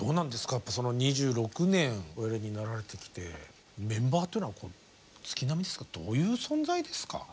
やっぱその２６年おやりになられてきてメンバーというのは月並みですがどういう存在ですか？